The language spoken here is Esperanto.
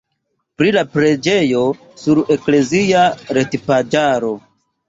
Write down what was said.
Pri la preĝejo sur eklezia retpaĝaro.